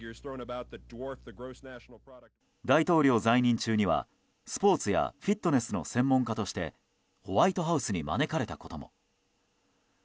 大統領在任中には、スポーツやフィットネスの専門家としてホワイトハウスに招かれたことも。